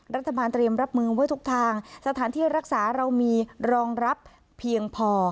รัฐบาลเตรียมรับมือไว้ทุกทางสถานที่รักษาเรามีรองรับเพียงพอ